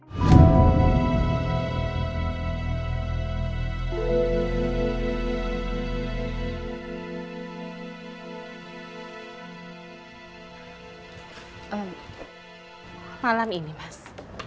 malam ini mas